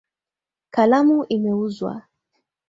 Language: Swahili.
Kalamu imeuzwa.